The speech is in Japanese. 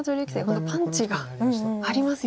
本当パンチがありますよね。